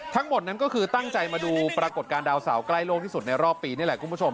ทั้งหมดนั้นก็คือตั้งใจมาดูปรากฏการณ์ดาวเสาใกล้โลกที่สุดในรอบปีนี่แหละคุณผู้ชม